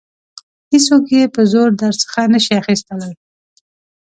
هیڅوک یې په زور درڅخه نشي اخیستلای.